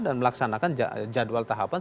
dan melaksanakan jadwal tahapan